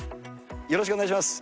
よろしくお願いします。